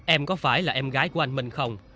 em có phải là em gái của anh minh không